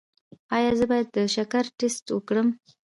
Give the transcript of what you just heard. ایا زه باید د شکر ټسټ وکړم؟